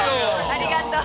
ありがとう。